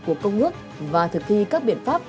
của công ước và thực thi các biện pháp